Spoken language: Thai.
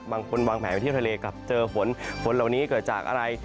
วางแผนไปเที่ยวทะเลกลับเจอฝนฝนเหล่านี้เกิดจากอะไร